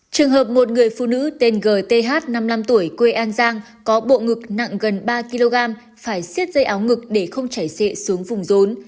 trường hợp một người phụ nữ tên g th năm mươi năm tuổi quê an giang có bộ ngực nặng gần ba kg phải xiết dây áo ngực để không chảy xệ xuống vùng rốn